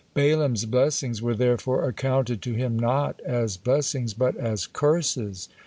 Balaam's blessings were therefore accounted to him not as blessings, but as curses.